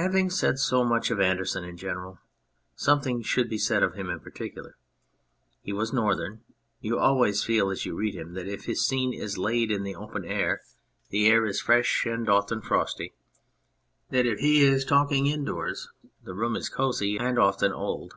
Having said so much of Andersen in general, something should be said of him in particular. He was Northern ; you always feel as you read him that if his scene is laid in the open air, the air is fresh 152 Hans Christian Andersen and often frosty ; that if he is talking indoors the room is cosy and often old.